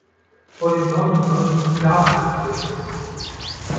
Vor den Dornen sollen dich die Gartenhandschuhe schützen.